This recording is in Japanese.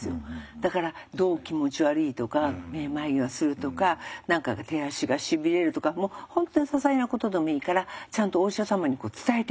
だからどう気持ち悪いとかめまいがするとか何かが手足がしびれるとか本当にささいなことでもいいからちゃんとお医者様に伝えていく。